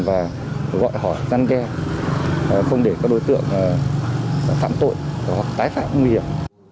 và gọi hỏi gian đe không để các đối tượng phạm tội hoặc tái phạm nguy hiểm